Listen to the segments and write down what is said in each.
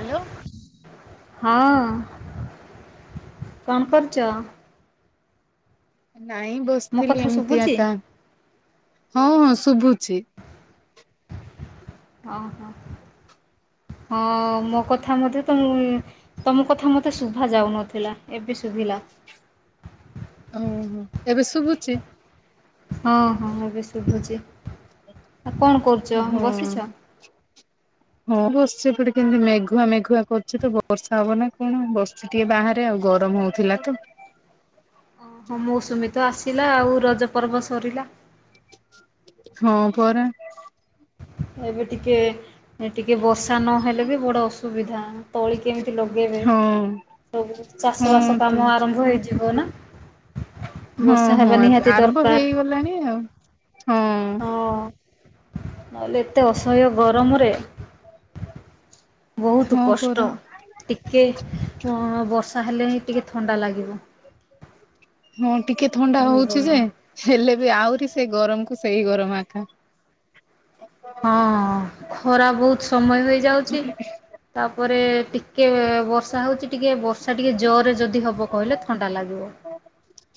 Hello. ହଁ କଣ କରୁଚ। ନାଇଁ ମୋ ବସିଥିଲି କଥା ଏମିତି ଶୁଭୁଛି? ଏକା ହଁ ଶୁଭୁଛି। ଓହୋ। ହଁ ମୋ କଥା ମତେ ତମ ତମ କଥା ମତେ ଶୁଭା ଯାଉନଥିଲା ଏବେ ଶୁଭିଲା। ଓହୋ ଏବେ ଶୁଭୁଛି? ହଁ ହଁ ଏବେ ଶୁଭୁଛି। ଆଉ କଣ କରୁଛ? ହଁ ବସିଛ। ହଁ ବସିଛି ଏପଟେ କେମତି ମେଘୁଆ ମେଘୁଆ କରୁଛି ତ ବର୍ଷା ହବ ନା କଣ ବସି ଟିକେ ବାହାରେ ଆଉ ଗରମ ହଉଥିଲା ତ। ଓହୋ ମୌସୁମୀ ତ ଆସିଲା ଆଉ ରଜ ପର୍ବ ସରିଲା‌। ହଁ ପରା। ଏବେ ଟିକେ ଟିକେ ବସି ବର୍ଷା ନହେଲେ ବି ବଡ଼ ଅସୁବିଧା ତଳି କେମିତି ଲଗେଇବେ। ହଁ ସବୁ ଚାଷ ହଁ ବାସ ତ କାମ ଆରମ୍ଭ ହେଇଯିବ ନା। ହଁ ବର୍ଷା ହଁ ହେବା ଏବେ ନିହାତି ଆରମ୍ଭ ଦରକାର ହେଇଗଲାଣି ଆଉ ହଁ ହଁ। ନହେଲେ ଏତେ ଅସହ୍ୟ ଗରମରେ ବହୁତ୍ ହଁ ପରା କଷ୍ଟ। ଟିକେ ବର୍ଷା ଅ ହେଲେ ହିଁ ଟିକେ ଥଣ୍ଡା ଲାଗିବ। ହଁ। ଟିକେ ଥଣ୍ଡା ହଁ ହଉଛି ଯେ ହେଲେ ବି ଆହୁରି ସେଇ ଗରମକୁ ସେଇ ଗରମ ଏକା। ଖରା ବହୁତ ସମୟ ହେଇଯାଉଛି ତାପରେ ଟିକେ ବର୍ଷା ହଉଛି ଟିକେ ବର୍ଷା ସେ ଟିକେ ଜୋରରେ ଯଦି ହବ କହିଲେ ଥଣ୍ଡା ଲାଗିବ।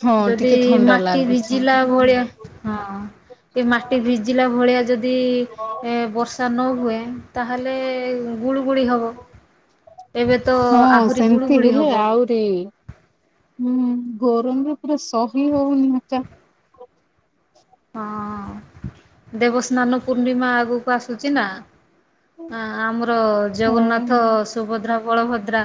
ହଁ ଯଦି ଟିକେ ଥଣ୍ଡା ମାଟି ଲାଗୁଛି ଭିଜିଲା ଭଳିଆ ହଁ। କି ମାଟି ଭିଜିଲା ଭଳିଆ ଯଦି ବର୍ଷା ନ ହୁଏ ତାହେଲେ ଗୁଳଗୁଳି ହବ। ଏବେ ତ ହଁ ଆହୁରି ସେମିତି ଗୁଳୁଗୁଳି ହେଲେ ହବ। ଆହୁରି ହୁଁ। ଗରମରେ ପୁରା ସହି ହଉନି ମଛ। ହଁ ଦେବସ୍ନାନ ପୂର୍ଣ୍ଣିମା ଆଗକୁ ଆସୁଛି ନା। ଆମର ହଁ ଜଗନ୍ନାଥ ସୁଭଦ୍ରା ବଳଭଦ୍ରା।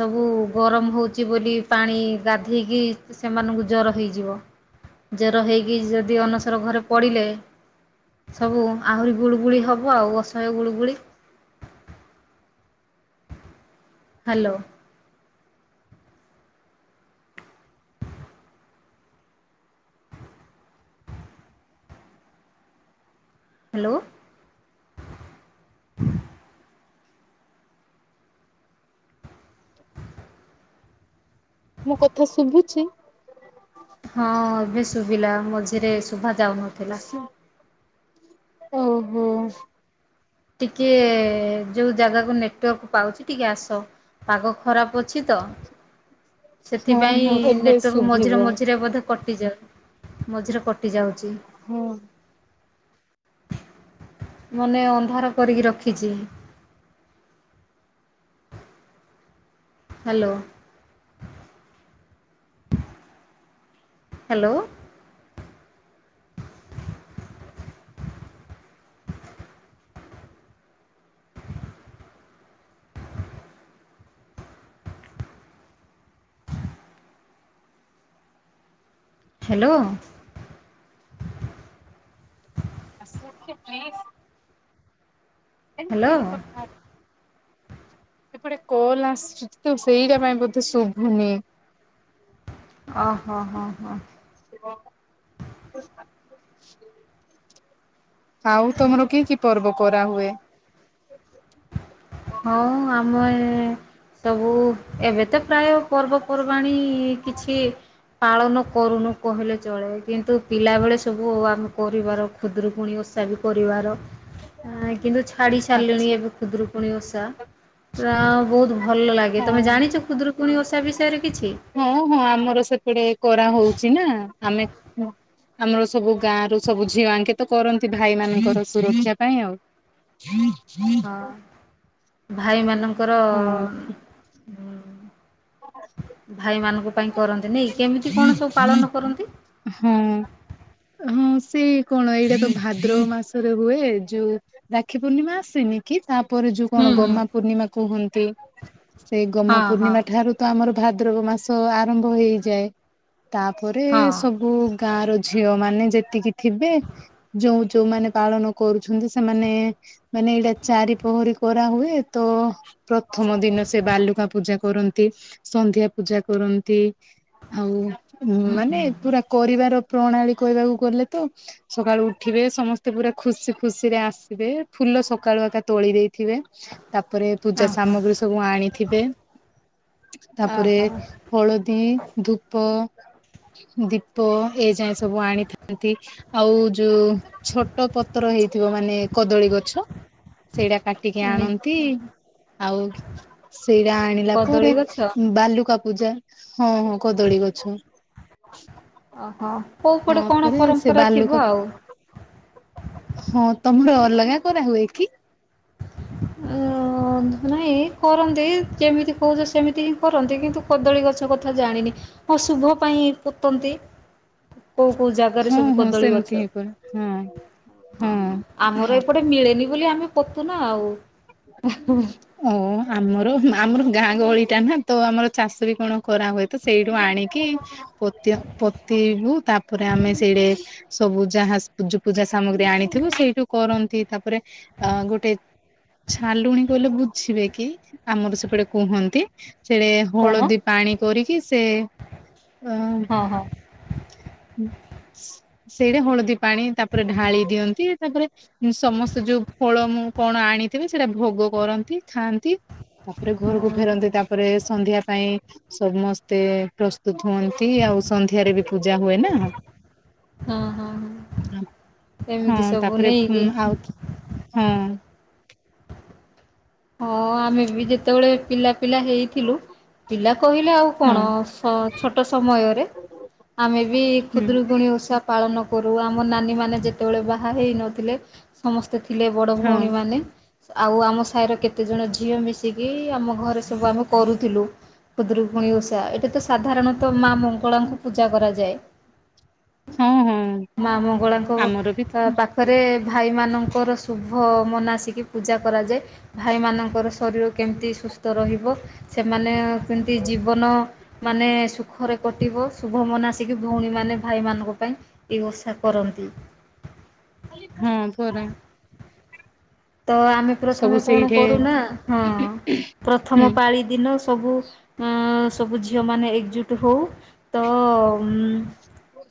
ସବୁ ଗରମ ହଉଛି ବୋଲି ପାଣି ଗାଧେଇକି ସେମାନଙ୍କୁ ଜର ହେଇଯିବ। ଜର ହେଇକି ଯଦି ଅନସର ଘରେ ପଡ଼ିଲେ ସବୁ ଆହୁରି ଗୁଳଗୁଳି ହବ ଆଉ ଅସହ୍ୟ ଗୁଳଗୁଳି। ହ୍ୟାଲୋ। ହ୍ୟାଲୋ। [inaudible] ମୋ କଥା ଶୁଭୁଛି। ହଁ ଏବେ ଶୁଭିଲା ମଝିରେ ଶୁଭା ଯାଉନଥିଲା। ଓହୋ। ଟିକେ ଯୋଉ ଜାଗାକୁ ନେଟୱାର୍କ ପାଉଛି ଟିକେ ଆସ ପାଗ ଖରାପ ଅ ଅଛି ତ ହଁ ସେଥିପାଇଁ ହଁ ଏବେ ନେଟୱାର୍କ ଶୁଭିବ ମଝିରେ ମଝିରେ ବୋଧେ କଟିଯାଉ ମଝିରେ କଟି ଯାଉଛି। ହଁ। ମାନେ ଅନ୍ଧାର କରିକି ରଖିଛି। ହ୍ୟାଲୋ। ହ୍ୟାଲୋ। ହ୍ୟାଲୋ। ଆସ ଟିକେ ପ୍ଲିଜ। ଏଏମ୍ ହ୍ୟାଲୋ [unintelligible] କଥା ଅଛି। ଏପଟେ କଲ ଆସୁଛି ତ ସେଇଟା ପାଇଁ ବୋଧେ ଶୁଭୁନି। [inaudible] ଓ ହୋ ହୋ ହୋ। ହ ଆଉ ତମର କି କି ପର୍ବ କରା ହୁଏ। ହଉ ଆମେ ସବୁ ଏବେ ତ ପ୍ରାୟ ପର୍ବ ପର୍ବାଣୀ କିଛି ପାଳନ କରୁନୁ କହିଲେ ଚଳେ କିନ୍ତୁ ପିଲାବେଳେ ସବୁ ଆମେ କରିବାର ଖୁଦରୁକୁୁଣୀ ଓ ଓଷା ବି କରିବାର। ଉମ କିନ୍ତୁ ଛାଡି ଆଚ୍ଛା ସାରିଲଣି ଏବେ ଖୁଦରୁକୁଣୀ ଓଷା ତ ବହୁତ ଭଲ ଲାଗେ ହଁ ତମେ ଜାଣିଛ ଖୁଦୁରୁକୁଣଣି ଓଷା ବିଷୟରେ କିଛି। ହଁ ହଁ ଆମର ସେପଟେ କରା ହଉଛି ନା ଆମେ ଆମର ସବୁ ଗାଁ ରୁ ସବୁ ଝିଅ ଆଙ୍କେ ତ କରନ୍ତି ଭାଇ ମାନଙ୍କର ସୁରକ୍ଷା ପାଇଁ ଆଉ। ହଁ [unintelligible] ଓହୋ ଭାଇମାନଙ୍କର ଭାଇ ମାନଙ୍କ ପାଇଁ କରନ୍ତି ନାଇ କେମିତି କଣ ସବୁ ହଁ। ପାଳନ କରନ୍ତି? ହଁ। ହଁ ସେଇ କଣ ଏଇଟା ତ ଭାଦ୍ରବ ମାସରେ ହୁଏ ଯୋଉ ରାକ୍ଷୀ ପୂର୍ଣ୍ଣିମା ଆସେନି କି ତାପରେ ଯୋଉ ହୁଁ କଣ ହୁଁ ଗମା ପୂର୍ଣ୍ଣିମା କୁହନ୍ତି ସେଇ ଗମା ହଁ ହଁ ପୂର୍ଣ୍ଣିମା ଠାରୁ ତ ଆମର ଭାଦ୍ରବ ମାସ ଆରମ୍ଭ ହେଇଯାଏ । ତାପରେ ହଁ। ସବୁ ଗାଁ ର ଝିଅ ମାନେ ଯେତିକି ଥିବେ, ଯୋଉ ଯୋଉମାନେ ପାଳନ କରୁଛନ୍ତି ସେମାନେ ଉମ ମାନେ ଏଇଟା ଚାରିପହରୀ କରାହୁଏ, ତ ପ୍ରଥମ ଦିନ ସେ ବାଲୁକା ପୂଜା କରନ୍ତି, ସନ୍ଧ୍ୟା ପୂଜା କରନ୍ତି ଆଉ ଉମ ମାନେ ପରିବାର ପ୍ରଣାଳୀ କହିବାକୁ ଗଲେ, ତ ସକାଳୁ ଉଠିବେ ସମସ୍ତେ ପୁରା ଖୁସି ଖୁସିରେ ଆସିବେ ଏ ଫୁଲ ସକାଳୁ ଆ ଏକା ତୋଳି ଦେଇ ଥିବେ ତାପରେ ପୂଜା ଓହୋ ସାମଗ୍ରୀ ସବୁ ଆଣିଥିବେ ତାପରେ ଓହୋ ହଳଦୀ, ଧୂପ ଦୀପ ଏ ଯାଏ ସବୁ ଆଣିଥାନ୍ତି ।ଆଉ ଯୋଉ ଛୋଟ ପତ୍ର ହେଇ ଥିବ ମାନେ କଦଳୀ ଗଛ, ସେଇଟା କାଟିକି ମାନେ ଆଣନ୍ତି ଆଉ ସେଇଟା ଆଣିଲା କଦଳୀ ପରେ, ଗଛ ବାଲୁକା ପୂଜା ହଁ ହଁ କଦଳୀ ଗଛ ଓହୋ କୋଉ ପଟେ କଣ ତାପରେ ସେ ପରମ୍ପରା ଥିବ ବାଲୁକା ଆଉ। ହଁ ତମର ଅଲଗା କରା ହୁଏ କି? ଉଁ ହୁଏ କରନ୍ତି ଯେମିତି କହୁଛ ସେମିତି ହିଁ କରନ୍ତି, କିନ୍ତୁ କଦଳୀ ଗଛ କଥା ଜାଣିନି ଅଶୁଭ ପାଇଁ ପୋତନ୍ତି [inaudible] କୋଉ କୋଉ ଜାଗାରେ ହଁ ସବୁ ହଁ କଦଳୀ ସେମିତି ଗଛ, ହିଁ କରା ହଁ ହଁ ହଁ ଆମର ଏପଟେ ମିଳେନି ବୋଲି ଆମେ ପୋତୁ ନା ଆଉ ଉଁ ଆମର ଆମର ଗାଁ ଗହଳିଟା ନା ତ ଆମର ଚାଷ ବି କଣ କରା ହୁଏ, ତ ସେଇଠୁ ଆଣିକି ପୋତି ପୋତିବୁ ତାପରେ ଆମେ ସେଇଟେ ସବୁ ଯାହା ପୂଜ ପୂଜା ସାମଗ୍ରୀ ଆଣିଥିବୁ ସେଇଠୁ କରନ୍ତି, ତାପରେ ଅ ଗୋଟେ ଛାଲୁଣୀ କହିଲେ ବୁଝିବେ କି? ଆମର ସେପଟେ କୁହନ୍ତି ସେଟ କଣ ହଳଦୀ ପାଣି କରିକି ସେ ଅ ହଁ ହଁ ହୁଁ। ସେଇଟା ହଳଦୀ ପାଣି, ତାପରେ ଢାଳି ଦିଅନ୍ତି ତାପରେ ସମସ୍ତେ ଯୋଉ ଫଳ ମୁଁ କଣ ଆଣି ଥିବେ ସେଇଟା ଭୋଗ କରନ୍ତି ଖାଆନ୍ତି, ତାପରେ ଘରକୁ ଓହୋ ଫେରନ୍ତି ତାପରେ ସନ୍ଧ୍ୟା ପାଇଁ ସମସ୍ତେ ପ୍ରସ୍ତୁତ ହୁଅନ୍ତି ଆଉ ସନ୍ଧ୍ୟାରେ ବି ପୂଜା ହୁଏ ନା। ହଁ ହଁ ହଁ ହଁ ଏମିତି ସବୁ ତାପରେ ଉମ ନେଇକି ଆଉ ହଁ ହଁ ଆମେ ବି ଯେତେବେଳେ ପିଲା ପିଲା ହେଇଥିଲୁ ପିଲା କହିଲେ ଆଉ ହଁ କଣ ସ ଛୋଟ ସମୟରେ ଆମେ ବି ହୁଁ ଖୁଦୁରୁକୁୁଣୀ ଓଷା ପାଳନ କରୁ ଆମ ନାନୀମାନେ ଯେତେବେଳେ ବାହା ହେଇନଥିଲେ, ସମସ୍ତେ ଥିଲେ ବଡ଼ ହଁ। ଭଉଣୀମାନେ ଆଉ ଆମ ସାହିର କେତେଜଣ ଝିଅ ମିଶିକି, ଆମ ଘରେ ସବୁ ଆମେ କରୁଥିଲୁ ଖୁଦୁରୁକୁଣୀ ଓଷା ଏଠି ତ ସାଧାରଣତଃ ମା ମଙ୍ଗଳାଙ୍କୁ ପୂଜା କରାଯାଏ। ହଁ ହଁ ମା ଆମର ବି ମଙ୍ଗଳାଙ୍କ ପାଖରେ ଭାଇ ମାନଙ୍କର ଶୁଭ ମନାସିକି ପୂଜା କରାଯାଏ। ଭାଇମାନଙ୍କର ଶରୀର କେମିତି ସୁସ୍ଥ ରହିବ। ସେମାନେ କେମିତି ଜୀବନ ମ ମାନେ ସୁଖରେ କଟିବ ଶୁଭ ମନା ଆସିକି, ଭଉଣୀମାନେ ଭାଇମାନଙ୍କ ପାଇଁ ଏହି ଓଷା କରନ୍ତି। ହଁ ପରା। ତ ଆମେ ସବୁ ପ୍ରଥମେ କଣ ସେଇଠି କରୁନା, ହଁ ହୁଁ ପ୍ରଥମ ପାଳି ଦିନ ସବୁ ସବୁ ଝିଅମାନେ ଏକଜୁଟ ହଉ ତ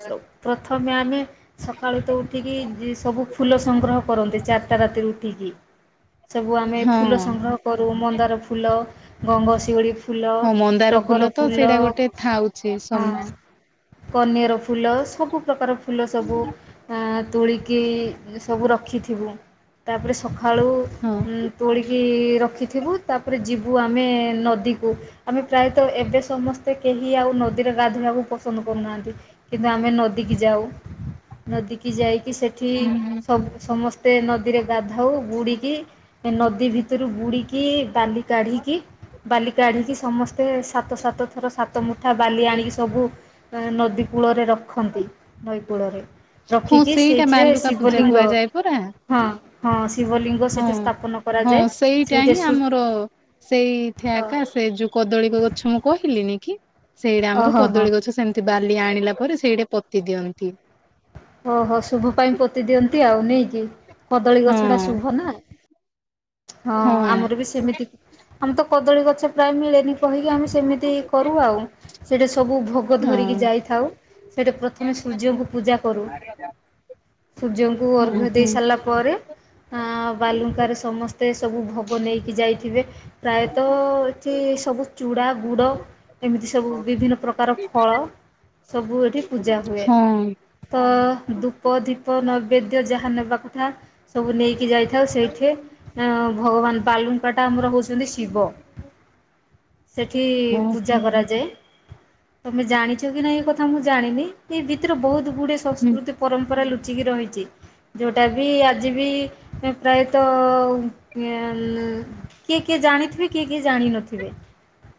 ସ ପ୍ରଥମେ ଆମେ ସକାଳୁ ତ ଉଠିକି ସବୁ ଫୁଲ ସଂଗ୍ରହ କରନ୍ତି, ଚାରିଟା ରାତିରୁ ଉଠିକି ସବୁ ଆମେ ହଁ। ଫୁଲ ସଂଗ୍ରହ କରୁ ମନ୍ଦାର ଫୁଲ, ଗଙ୍ଗଶିଉଳି ଫୁଲ, ହଁ ମନ୍ଦାର ଟଗର ତ ଫୁଲ, ସେଇଟା ଗୋଟେ ଥାଉଛି ସମ ହଁ କନିଆର ଫୁଲ, ସବୁ ପ୍ରକାର ଫୁଲ ସବୁ ଆ ତୋଳିକି ସବୁ ରଖିଥିବୁ। ତାପରେ ସକାଳୁ ହଁ ତୋଳିକି କି, ରଖିଥିବୁ। ତା ପରେ ଯିବୁ ଆମେ ନଦୀକୁ। ଆମେ ପ୍ରାୟ ତ ଏବେ ସମସ୍ତେ କେ କେହି ଆଉ ନଦୀରେ, ଗାଧୋଇବାକୁ ପସନ୍ଦ କରୁନାହାନ୍ତି। କିନ୍ତୁ ଆମେ ନଦୀକୁି ଯାଉ। ନଦୀ କିି ଯାଇକି ସେଠି ହୁଁ। ସବୁ-ସମସ୍ତେ ନଦୀରେ ଗାଧାାଉ ବୁଡିକି, ନଦୀ ଭିତରୁ ବୁଡିକି, ବାଲି କାଢିକି ବାଲି କାଢିକି, ସମସ୍ତେ ସାତ, ସାତ ଥର ସାତ ମୁଠା ବାଲି ଆଣିକି ସବୁ ନଦୀ କୂଳରେ ରଖନ୍ତି ।ନଈ କୂଳରେ। ହଁ ରଖିକି ସେଇଟା ସେଇଥିରେ ବାଲୁକା ପୂଜା ଶିବଲିଙ୍ଗ କୁହାଯାଏ ପରା ହଁ। ପିଙ୍ଗ, ସେଠି ହଁ ସ୍ଥାପନ ହଁ, କରାଯାଏ ସେଇଟା ସେଇଠି ହିଁ ସୁ ଆମର ସେଇଥିଆକା, ସେ ଯୋଉ କଦଳୀ ଗଛ ମୁଁ କହିଲିିନି କି? ସେଇଟା ଆମର ଓହୋ ହୋ କଦଳୀ ଗଛ ।ସେମିତି ବାଲି ଆଣିଲା ପରେ, ସେଇଟା ପୋତି ଦିଅନ୍ତି । ଓହୋ ଶୁଭ ପାଇଁ ପୋତି ଦିଅନ୍ତି ।ଆଉ ନେଇକି, କଦଳୀ ହଁ ଗଛ ଟା ଶୁଭ ନା। ହଁ ଆମର ବି ସେମିତି। ଆମର ତ କଦଳୀ ଗଛ ପ୍ରାୟ ମିଳେନି। କହିକି ଆମେ ସେମିତି କରୁ। ଆଉ ସେଇଠି ସବୁ ଭୋଗ ହଁ ଧରିକି ଯାଇଥାଉ। ସେଇଠି ପ୍ରଥମେ ସୂର୍ଯ୍ୟଙ୍କୁ ପୂଜା କରୁ। ସୂର୍ଯ୍ୟଙ୍କୁ ହଁ ଅର୍ଘ ଦେଇ ହଁ ସାରିଲା ପରେ, ଅ ବାଲୁଙ୍କାରେ ସମ ସବୁ ଭୋଗ ନେଇକି ଯାଇଥିବେ। ପ୍ରାୟତଃ ଏଠି ସବୁ ଚୁଡ଼ା, ଗୁଡ ଏମିତି ସବୁ ବିଭିନ୍ନ ପ୍ରକାର ଫଳ, ସବୁ ଏଠି ପୂଜା ହୁଏ। ହଁ ତ ଧୂପ, ଦୀପ ନୈବେଦ୍ୟ ଯାହା ନେବା କଥା ସବୁ ନେଇକି ଯାଇ ହ [inaudible] ଭଗବାନ ବାଲୁଙ୍କା ଟା ଆମର ହଉଛନ୍ତି ଶିବ। ସେଠି ହଁ ପୂଜା କରାଯାଏ। ତମେ ଜାଣିଛ କି, ନା ଏଇ କଥା ମୁଁ ଜାଣିନି ।ଏଇ ଭିତରେ ବହୁତ ଗୁଡେ, ହୁଁ ସଂସ୍କୃତି ପରମ୍ପରା ଲୁ ଚିକି ରହିଛି ।ଯେଉଁଟା ବି ଆଜି ବି ପ୍ରାୟତଃ କିଏ, କିଏ ଜାଣିଥିବେ କିଏ, କିଏ ଜାଣିନଥିବେ ।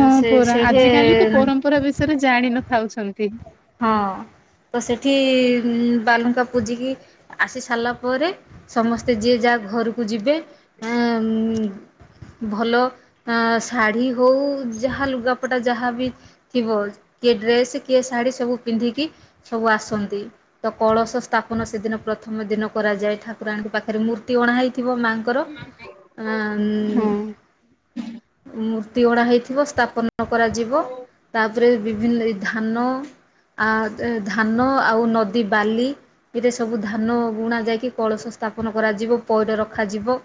ହଁ ପରା, ଆଜିକାଲି ତ ପରମ୍ପରା ବିଷୟରେ ଜାଣିନଥାଉଛନ୍ତି । ହଁ- ତ ସେଠି ବାଲୁଙ୍କା ପୂଜିକି ଆସି ସାରିଲା ପରେ, ସମସ୍ତେ ଯିଏ ଯା ଘରକୁ ଯିବେ ଉଁ ଭଲ ଶାଢ଼ୀ, ହଉ ଯାହା ଲୁଗାପଟା ଯାହାବି ଥିବ। କିଏ ଡ୍ରେସ୍ କି ଶାଢ଼ୀ ସବୁ ପିନ୍ଧିକି ସବୁ ଆସନ୍ତି। ତ କଳସ ସ୍ଥାପନ ସେଦିନ ପ୍ରଥମ ଦିନ କରାଯାଏ ଠାକୁ ରୁଙ୍କ, ପାଖରେ ମୂର୍ତ୍ତି ଅଣା ହେଇ ଥିବ ମାଙ୍କର, ହଁ ମୁଁ ତିଗଣା ହୋଇଇଥିବ ।ସ୍ଥାପନ କରାଯିବ। ତାପରେ ବିଭିନ୍ନ ଧାନ ଆ, ଧାନ ଆଉ'ନଦୀ ବାଲି। ଏଥିରେ ସବୁ ଧାନ ବୁଣା ଯାଇକି କଳସ ସ୍ଥାପନ କରାଯିବ ପଇଡ ରଖାଯିବ।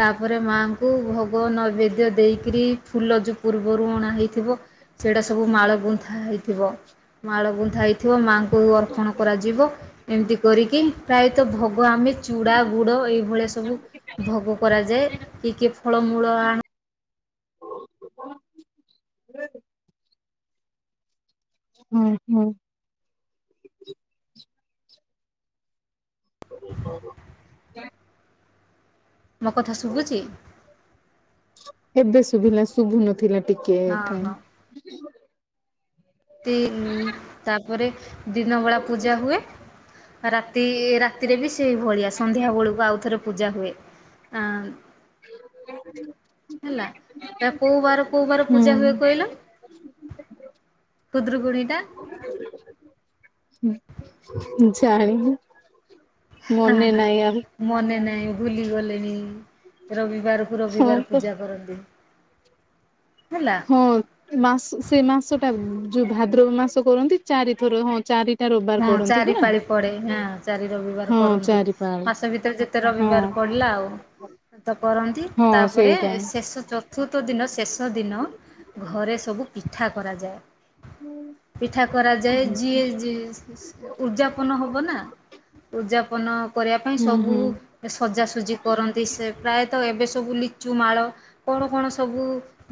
ତାପରେ ମାଆଙ୍କୁ ଭଗବାନ ନୈବେଦ୍ୟ ଦେଇକିରି ଫୁଲ ଯୋଉ ପୂର୍ବରୁ ଅଣା ହେଇଥିବ। ସେଇଟା ସବୁ ମାଳ ଗୁନ୍ଥା ହେଇଥିବ। ମାଳ ଗୁନ୍ଥା ହେଇଥିବ। ମାଙ୍କ ଙ୍କୁ ଅର୍ପଣ କରାଯିବ। ଏମିତି କରିକି ପ୍ରାୟତଃ ଭୋଗୋ ଆମେ ଚୁଡ଼ା ଗୁଡ ଏଇଭଳିଆ ସବୁ ଭୋଗ କରାଯାଏ କି କିଏ ଫଳମୂଳ ଆ [unintelligible] ହୁଁ ହୁଁ। [unintelligible] ମୋ କଥାସୁୁବୁଛି? ଏବେ ଶୁଭିଲା, ଶୁଭୁ ନଥିଲା ଟିକେ ହଁ ଏଠା ତିନ୍ ତାପରେ ଦିନବେଳା ପୂଜା ହୁଏ। ରାତି ରାତିରେ ବି ସେଇ ଭଳିଆ ସନ୍ଧ୍ୟା ବେଳକୁ ଆଉଥରେ ପୂଜା ହୁଏ ଆ [inaudible] ହେଲା, ଏ କୋଉ ବାର କୋଉ ବାର ହୁଁ ପୂଜା ହୁଏ କହିଲ? ଖୁଦୁରୁକୁଣୀ ଟା ହୁଁ ଜାଣିନି। ହା ଆ ମନେ ହା ନାହିଁ ଆଉ ମନେ ନାହିଁ। ଭୁଲି ଗଲେଣି, ରବିବାରକୁ ହଁ ରବିବାର ପା। ପୂଜା କରନ୍ତି। ହେଲା। ହଁ ମାସ ସେ ମାସଟା ଯଉ ଭାଦ୍ରବ ମାସ କରନ୍ତି ଚାରିଥର ହଁ ଚାରି ହଁ ଚାରି ପାଳି ପଡେ ହଁ ଚାରି ରବିବାର ହଁ କରନ୍ତି ଚାରିପାଳି ମାସ ଭିତରେ ଯେତେ ହଁ ରବିବାର ପଡେ ହେଲା ଆଉ ତ କରନ୍ତ ହଁ ତାପରେ ସେଇଟା ଶେଷ ଚତୁର୍ଥ ଦିନ ଶେଷ ଦିନ ଘରେ ସବୁ ପି ପିଠା କରାଯାଏ ପିଠା କରାଯାଏ ଯିଏ ଉଜାପନ ହବ ନା? ଉଯାପନ କରିବା ପାଇଁ, ହୁଁ ସବୁ ହୁଁ ସଜା, ସଜି କରନ୍ତି ସେ ପ୍ରାୟତଃ ତ ଏବେ ସବୁ ଲିଚୁ ମାଳ କଣ, କଣ ସବୁ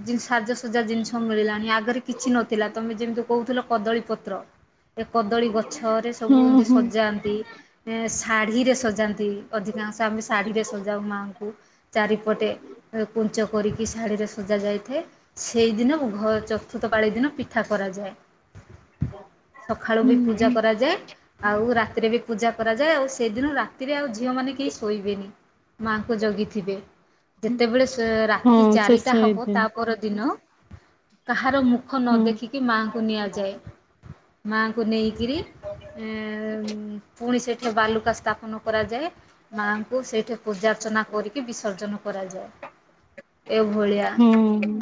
ଜିନ୍ସ୍ ସାଜସଜ୍ଜା ଜିନିଷ ମିଳିଲାଣି ଆ ଆଗରେ କିଛି ନଥିଲା, ତମେ ଯେମିତି କହୁଥିଲ କଦଳୀ ପତ୍ର ସେ କଦ୍ ଗଛରେ ସବୁ ହଁ ଏମିତି ହଁ ସଜାନ୍ତି। ଶାଢ଼ୀରେ, ସଜାନ୍ତି ଅଧିକାଂଶ ଆମେ ଶାଢ଼ୀରେ ପାଜମାଙ୍କୁ ଚାରିପଟେ କୁଞ୍ଚ। କରିକି ଶାଢ଼ୀରେ ସଜା ଯାଇଥାଏ ସେଇଦିନ ଘ ଚତୁର୍ଥ ପାଳି ଦିନ ପିଠା କରାଯାଏ। ସକାଳୁ ହୁଁ ବି ପୂଜା ହୁଁ କରାଯାଏ। ଆଉ ରାତିରେ ବି ପୂଜା କରାଯାଏ ଆଉ ସେଦିନ ରାତିରେ ଆଉ ଝିଅ ମାନେ କେହି ଶୋଇବେନି। ମାଙ୍କୁ ଜଗିଥିବେ ଯେତେବେଳେ ସେ ରାତି ହଁ ଶେଷ ଚାରିଟା ଏଇ ହେବ ତା ଦିନ ପର ଦିନ କାହାର ମୁଖ ନ ହଁ ଦେଖିକି ମାଆଙ୍କୁ ନିଆଯାଏ। ମାଆଙ୍କୁ ନେଇକିରି ପୁଣି ସେଇଠି ବାଲୁକା ସ୍ଥାପନ କରାଯାଏ। ମାଆଙ୍କୁ ସେଇଠି ପୂଜାର୍ଚ୍ଚନା କରିକି ବିସର୍ଜନ କରାଯାଏ। ଏ ଭଳିଆ। ହଁ